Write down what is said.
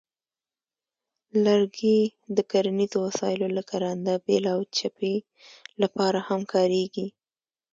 لرګي د کرنیزو وسایلو لکه رنده، بیل، او چپې لپاره هم کارېږي.